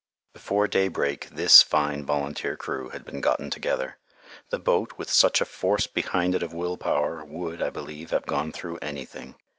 Before daybreak this fine volunteer crew had been gotten together. The boat, with such a force behind it of will power, would, I believe, have gone through anything.